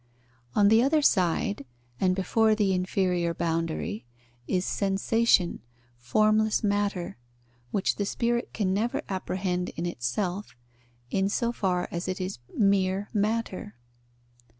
On the other side, and before the inferior boundary, is sensation, formless matter, which the spirit can never apprehend in itself, in so far as it is mere matter.